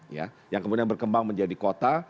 ya yang kemudian berkembang menjadi kota